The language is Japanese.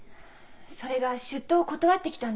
それが出頭を断ってきたんです。